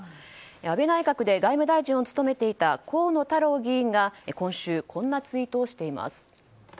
安倍内閣で外務大臣を務めていた河野太郎議員が今週こんなツイートをしています。